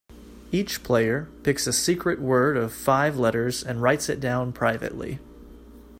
Each player picks a secret word of five letters and writes it down privately.